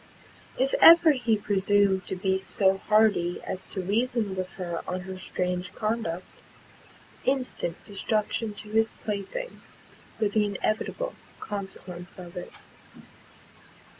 If ever he presumed to be so hardy as to reason with her on her strange conduct, instant destruction to his playthings were the inevitable consequence of it.